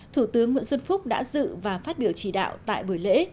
thủ tướng nguyễn xuân phúc đã dự và phát biểu chỉ đạo tại buổi lễ